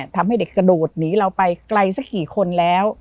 ทำให้เด็กกระโดดหนีเราไปไกลสักกี่คนแล้ว